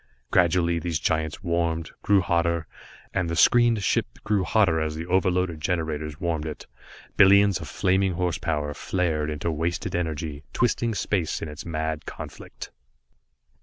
Gradually these giants warmed, grew hotter, and the screened ship grew hotter as the overloaded generators warmed it. Billions of flaming horse power flared into wasted energy, twisting space in its mad conflict.